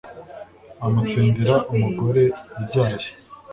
amutsindira umugore ubyaye